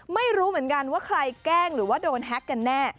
ไม่รู้เหมือนกันว่าใครแกล้งหรือว่าโดนแฮ็กกันแน่